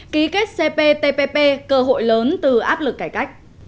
ký kết cptpp cơ hội lớn từ áp lực cải cách